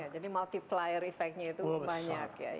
jadi multiplier effectnya itu banyak ya